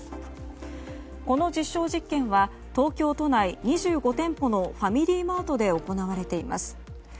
この実証実験は東京都内２５店舗のファミリーマートで行われています。